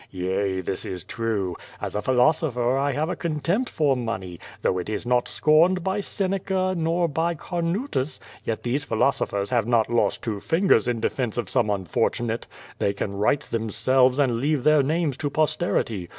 Yea, this is true. As a philosopher I have a contempt for money, though it is not scorned by Seneca, nor by Carnutus; yet these philosophers ^ 122 Q^o y^DIB. have not lost two fingers in defense of some unfortunate. They can write themselves and leave their names to posterity.